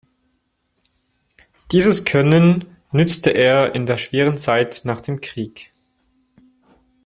Dieses Können nützte er in der schweren Zeit nach dem Krieg.